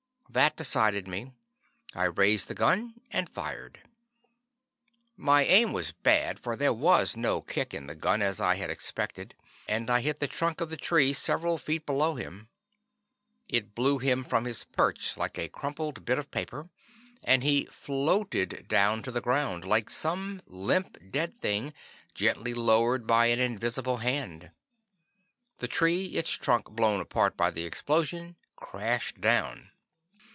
That decided me. I raised the gun and fired. My aim was bad, for there was no kick in the gun, as I had expected, and I hit the trunk of the tree several feet below him. It blew him from his perch like a crumpled bit of paper, and he floated down to the ground, like some limp, dead thing, gently lowered by an invisible hand. The tree, its trunk blown apart by the explosion, crashed down.